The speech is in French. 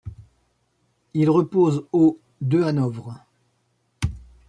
Il repose au de Hanovre.